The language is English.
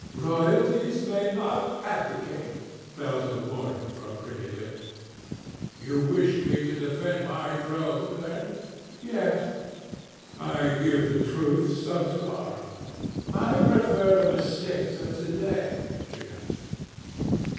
"Royalties may not abdicate," fell as a warning from pretty lips. "You wish me to defend my throne, then?" "Yes." "I give the truths of to morrow." "I prefer the mistakes of to day," she answered.